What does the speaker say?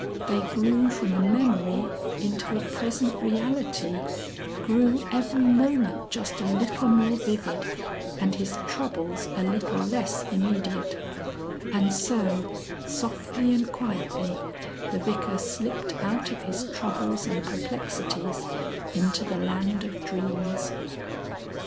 They grew from a memory into a present reality, grew every moment just a little more vivid and his troubles a little less immediate; and so, softly and quietly, the Vicar slipped out of his troubles and perplexities into the Land of Dreams.